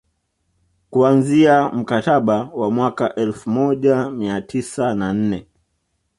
Kuanzia mkataba wa mwaka wa elfu moja mia tisa na nne